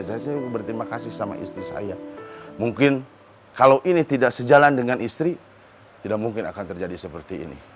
saya berterima kasih sama istri saya mungkin kalau ini tidak sejalan dengan istri tidak mungkin akan terjadi seperti ini